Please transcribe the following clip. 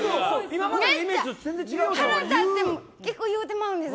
腹立つと結構言うてまうんです。